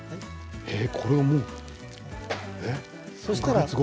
そうしたら。